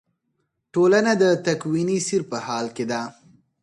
ټولنه د تکویني سیر په حال کې ده.